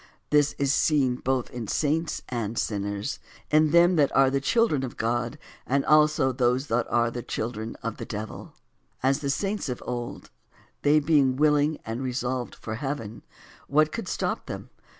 This is seen both in saints and sinners; in them that are the children of God, and also those that are the children of the devil. As, 1. The saints of old, they being willing and re solved for heaven, what could stop them